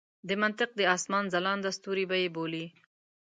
د منطق د اسمان ځلانده ستوري به یې بولي.